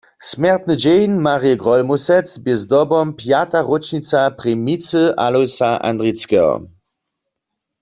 Smjertny dźeń Marje Grólmusec bě zdobom pjata róčnica primicy Alojsa Andrickeho.